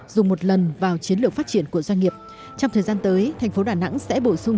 dùng một lần vào chiến lược phát triển của doanh nghiệp trong thời gian tới thành phố đà nẵng sẽ bổ sung